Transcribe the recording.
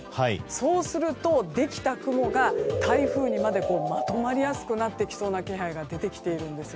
そうすると、できた雲が台風にまでまとまりやすくなってきそうな気配が出てきています。